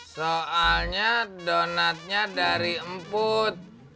soalnya donatnya dari emput